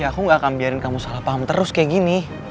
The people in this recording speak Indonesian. aku gak akan biarin kamu salah paham terus kayak gini